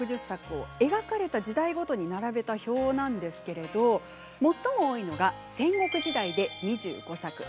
６０作を描かれた時代ごとに並べた表なんですけれど最も多いのが戦国時代で２５作。